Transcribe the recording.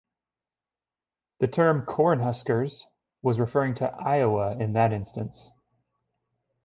The term "Cornhuskers" was referring to Iowa in that instance.